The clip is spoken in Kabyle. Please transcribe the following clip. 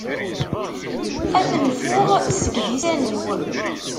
Ad t-nfuɣ seg disan-iw.